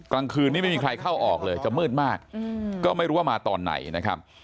กลางคืนนี้ไม่มีใครเข้าออกเลยจะมืดมากก็ไม่รู้ว่ามาตอนไหนนะครับ